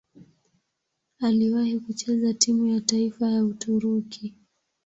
Aliwahi kucheza timu ya taifa ya Uturuki.